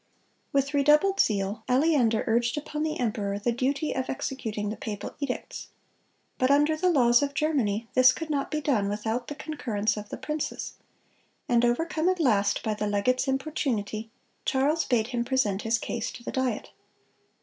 With redoubled zeal, Aleander urged upon the emperor the duty of executing the papal edicts. But under the laws of Germany this could not be done without the concurrence of the princes; and overcome at last by the legate's importunity, Charles bade him present his case to the Diet.